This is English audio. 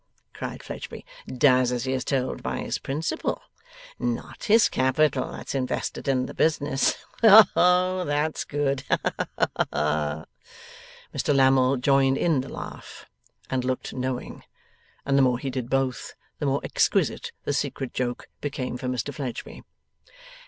cried Fledgeby. 'Does as he is told by his principal! Not his capital that's invested in the business. Oh, that's good! Ha ha ha ha!' Mr Lammle joined in the laugh and looked knowing; and the more he did both, the more exquisite the secret joke became for Mr Fledgeby.